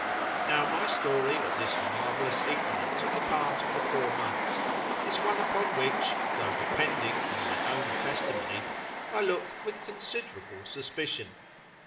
Now my story of this marvellous ignorance on the part of the poor monks is one upon which (though depending on my own testimony) I look "with considerable suspicion."